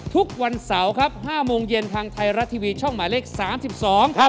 ทุกวันเสาร์ครับ๕โมงเย็นทางไทยรัฐทีวีช่องหมายเลข๓๒ครับ